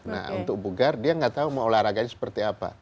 nah untuk bugar dia nggak tahu mau olahraganya seperti apa